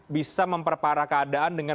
bisa memperparah keadaan dengan